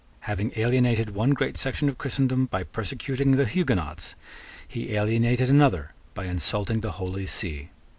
Having alienated one great section of Christendom by persecuting the Huguenots, he alienated another by insulting the Holy See.